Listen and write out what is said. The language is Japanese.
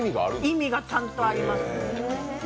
意味がちゃんとあります。